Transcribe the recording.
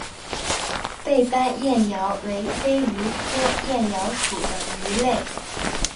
背斑燕鳐为飞鱼科燕鳐属的鱼类。